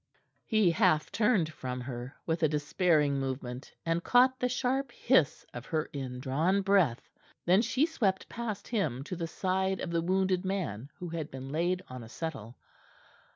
He half turned from her, with a despairing movement, and caught the sharp hiss of her indrawn breath. Then she swept past him to the side of the wounded man, who had been laid on a settle.